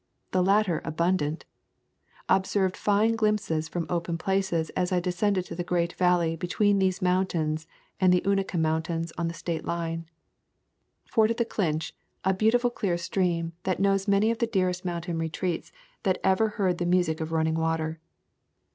The latter abundant. Obtained fine glimpses from | open places as I descended to the great valley between these mountains and the Unaka Moun tains on the state line. Forded the Clinch, a beautiful clear stream, that knows many of the dearest mountain retreats that ever heard the [ 31 ] A Thousand Mile Walk music of running water.